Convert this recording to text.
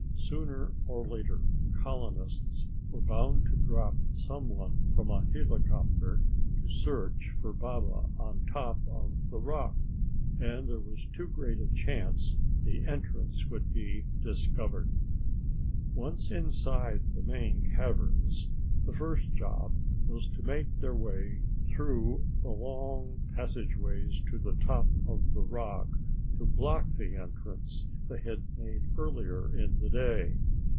Sooner or later the colonists were bound to drop someone from a helicopter to search for Baba on top of the rock; and there was too great a chance the entrance would be discovered. Once inside the main caverns, the first job was to make their way through the long passageways to the top of the rock to block the entrance they had made earlier in the day.